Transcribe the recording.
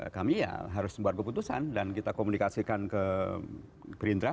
kami ya harus membuat keputusan dan kita komunikasikan ke gerindra